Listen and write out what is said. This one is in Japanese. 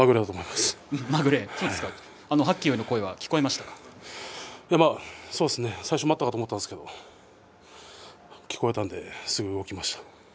はっきよいの声はそうですね、最初待ったかと思ったんですが聞こえたんですぐ動きました。